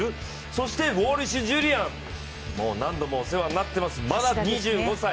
そしてウォルシュ・ジュリアン、何度もお世話になってます、まだ２５歳。